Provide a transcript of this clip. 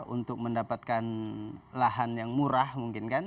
untuk mendapatkan lahan yang murah mungkin kan